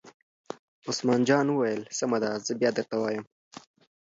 عثمان جان وویل: سمه ده زه بیا درته وایم.